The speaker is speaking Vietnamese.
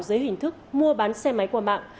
giới hình thức mua bán xe máy qua mạng